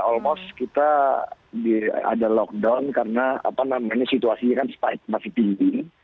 almost kita ada lockdown karena situasinya kan masih tinggi